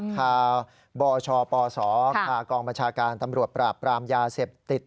คาบชปศคากองบัญชาการตำรวจปราบปรามยาเสพติด